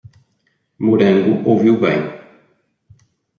Morango ouviu bem